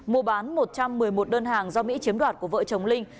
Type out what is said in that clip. mua bán một trăm một mươi một đơn hàng do mỹ chiếm đoạt của vợ chồng linh